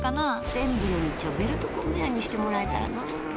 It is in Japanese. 全部の道をベルトコンベヤーにしてもらえたらな。